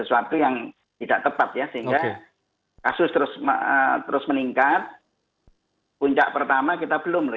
nah jadi sekarang tentu kita prihatin ya dan saya setuju dengan apa yang disampaikan menteri ya juga bu nadia tadi